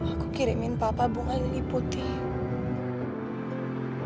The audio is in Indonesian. aku kirimin papa bunga lili putih